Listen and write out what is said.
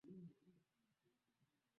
Mzee yule ana watoto watatu